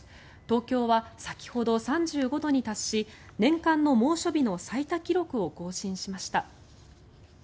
東京は先ほど３５度に達し年間の猛暑日の最多記録を更新しました。